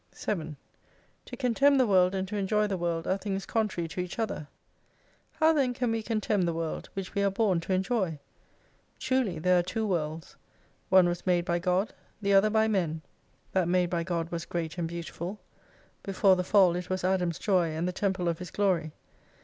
7 To contemn the world and to enjoy the world are things contrary to each other. How then can we contemn the world, which we are born to enjoy ? Truly there are two worlds. One was made by God, the other by men. That made by God was great and beautiful. Before the Fall it was Adam's joy and the Temple of his Glory.